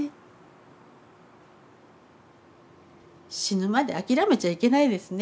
死ぬまで諦めちゃいけないですね